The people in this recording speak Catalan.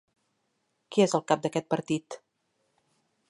Qui és el cap d'aquest partit?